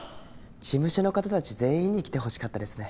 事務所の方たち全員に来てほしかったですね。